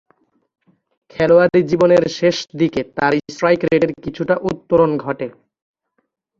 খেলোয়াড়ী জীবনের শেষদিকে তার স্ট্রাইক রেটের কিছুটা উত্তরণ ঘটে।